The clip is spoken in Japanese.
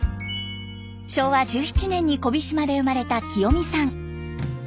昭和１７年に小飛島で生まれたキヨミさん。